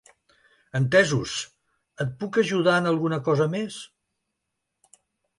Entesos, et puc ajudar en alguna cosa més?